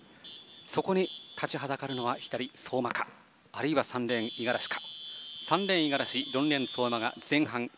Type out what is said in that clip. そこに立ちはだかるのは相馬かあるいは３レーン五十嵐か。